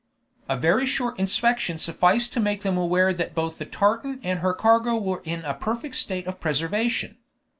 A very short inspection sufficed to make them aware that both the tartan and her cargo were in a perfect state of preservation.